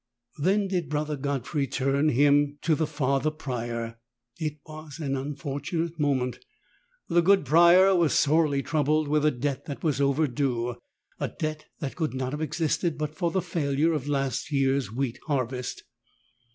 Then did Brother Godfrey turn him to the Father Prior. It was an unfortunate moment. The good Prior was sorely troubled with a debt that was overdue — a debt that could not have existed but for the failure of last year's wheat harvest.